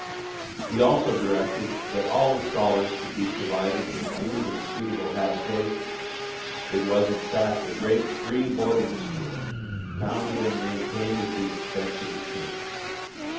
He also directed that all the scholars should be provided with food and suitable habitations: it was in fact a great free boarding school, founded and maintained at the expense of the king.